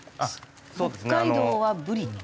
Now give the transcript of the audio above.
北海道はブリって。